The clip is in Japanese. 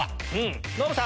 ノブさん。